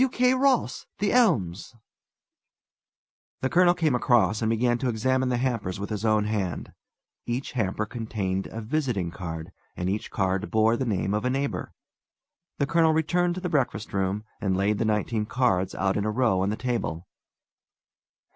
W. K. Ross, The Elms." The colonel came across, and began to examine the hampers with his own hand. Each hamper contained a visiting card, and each card bore the name of a neighbour. The colonel returned to the breakfast room, and laid the nineteen cards out in a row on the table.